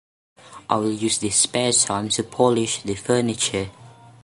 I will use this spare time to polish the furniture.